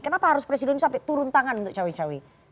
kenapa harus presiden sampai turun tangan untuk cawe cawe